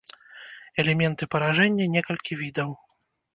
Элементы паражэння некалькі відаў.